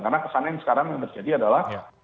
karena kesannya yang sekarang yang terjadi adalah